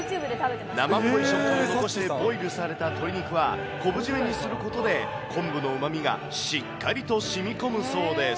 生っぽい食感を残してボイルされた鶏肉は、昆布締めにすることで、昆布のうまみがしっかりとしみこむそうです。